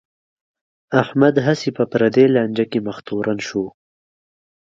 احمد هسې په پردی لانجه کې مخ تورن شو.